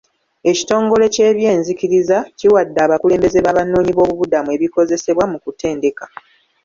Ekitongole ky'ebyenzikiriza kiwadde abakulembeze b'abanoonyi b'obubudamu ebikozesebwa mu kutendeka.